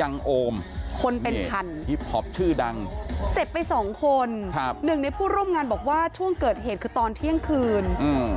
ยังโอมคนเป็นพันฮิปพอปชื่อดังเจ็บไปสองคนครับหนึ่งในผู้ร่วมงานบอกว่าช่วงเกิดเหตุคือตอนเที่ยงคืน